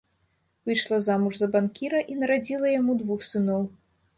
Выйшла замуж за банкіра і нарадзіла яму двух сыноў.